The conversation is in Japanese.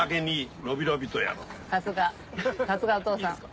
さすがさすがお父さん。